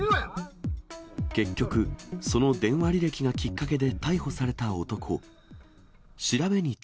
結局、その電話履歴がきっかけで逮捕された男。